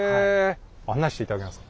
案内して頂けますか？